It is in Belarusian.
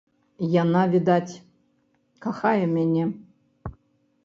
Яна, відаць, кахае мяне.